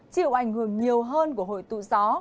chiều ảnh hưởng nhiều hơn của hội tụ gió